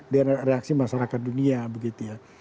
dengan reaksi masyarakat dunia begitu ya